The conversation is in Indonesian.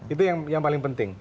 itu yang paling penting